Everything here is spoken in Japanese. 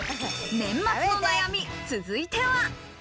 年末の悩み、続いては。